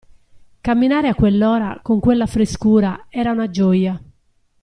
Camminare a quell'ora, con quella frescura, era una gioia.